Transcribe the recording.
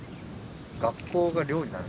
学校が寮になる？